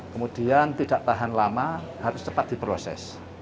kemudian tidak tahan lama harus cepat diproses